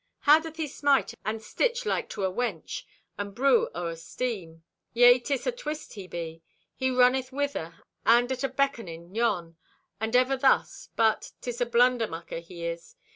How doth he smite and stitch like to a wench, and brew o'er steam! Yea, 'tis atwist he be. He runneth whither, and, at a beconing, (beckoning) yon, and ever thus; but 'tis a blunder mucker he he.